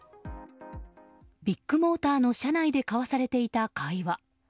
ビッグモーターの社内で交わされていた会話。